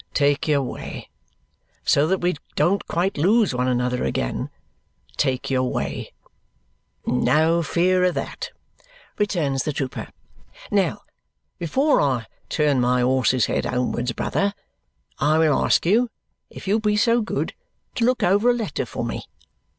Take your way. So that we don't quite lose one another again, take your way." "No fear of that!" returns the trooper. "Now, before I turn my horse's head homewards, brother, I will ask you if you'll be so good to look over a letter for me.